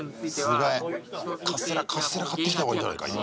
スガエ、カステラ買ってきた方がいいんじゃないか？